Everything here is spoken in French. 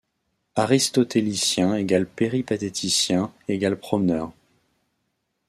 Aristotélicien = péripatéticien = promeneur.